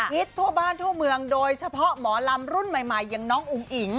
ฮิตทั่วบ้านทั่วเมืองโดยเฉพาะหมอลำรุ่นใหม่อย่างน้องอุ๋งอิ๋ง